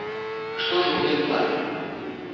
Што ж у генплане?